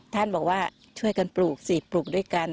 ท่านบอกว่าช่วยกันปลูกสิปลูกด้วยกัน